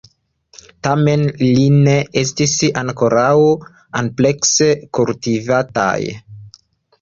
Tamen, ili ne estis ankoraŭ amplekse kultivataj.